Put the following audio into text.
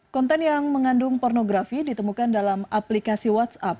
konten yang mengandung pornografi ditemukan dalam aplikasi whatsapp